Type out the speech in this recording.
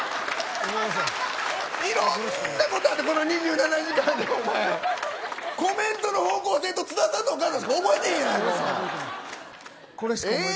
いろんなことあった２７時間でおまえコメントの方向性と津田さんのお母さんしかこれしか思い出せない。